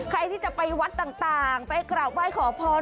ใครที่จะไปวัดต่างไปกราบไหว้ขอพร